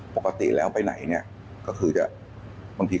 ปกติแล้วไปไหนเนี่ย